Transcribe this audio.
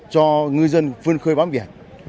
cho ngư dân phương khơi bám biển